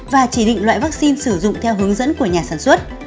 và chỉ định loại vaccine sử dụng theo hướng dẫn của nhà sản xuất